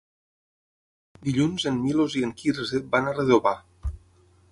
Dilluns en Milos i en Quirze van a Redovà.